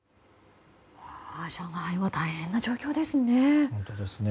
上海は大変な状況ですね。